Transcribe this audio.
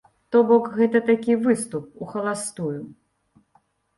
То бок, гэта такі выступ ухаластую.